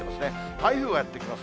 台風がやって来ます。